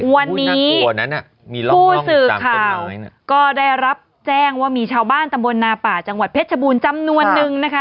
วันนี้ผู้สื่อข่าวก็ได้รับแจ้งว่ามีชาวบ้านตำบลนาป่าจังหวัดเพชรบูรณ์จำนวนนึงนะคะ